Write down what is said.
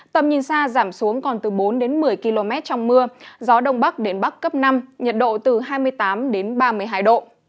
tầm nhìn xa giảm xuống còn từ bốn đến một mươi km trong mưa gió đông bắc đến bắc cấp năm nhiệt độ từ hai mươi tám đến ba mươi hai độ